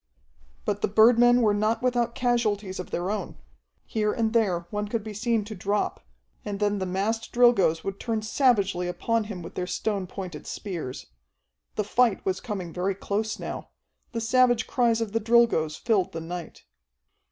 But the birdmen were not without casualties of their own. Here and there one could be seen to drop, and then the massed Drilgoes would turn savagely upon him with their stone pointed spears. The fight was coming very close now. The savage cries of the Drilgoes filled the night.